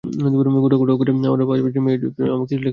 গোটা গোটা অক্ষরে আমার পাঁচ বছর বয়সী মেয়ের আমাকে লেখা প্রথম চিঠি।